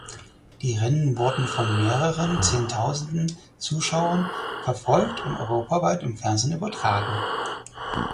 Die Rennen wurde von mehreren zehntausenden Zuschauern verfolgt und europaweit im Fernsehen übertragen.